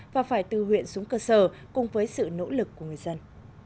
và phải từ huyện xuống cơ sở cùng với sự nỗ lực của người dân